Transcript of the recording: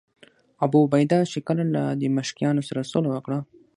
ابوعبیده چې کله له دمشقیانو سره سوله وکړه.